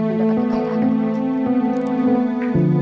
tidak ada nanya nanya kepadaku